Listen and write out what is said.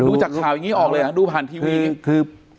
รู้จักข่าวยังงี้ออกเลยอะดูผ่านทีวี